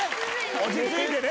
落ち着いてね！